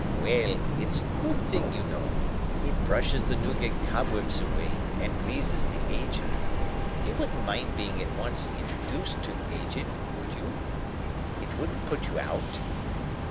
"Well; it's a good thing, you know. It brushes the Newgate cobwebs away, and pleases the Aged. You wouldn't mind being at once introduced to the Aged, would you? It wouldn't put you out?"